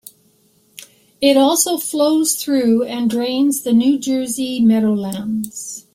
It also flows through and drains the New Jersey Meadowlands.